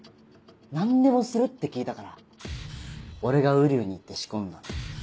「何でもする」って聞いたから俺が瓜生に言って仕込んだの。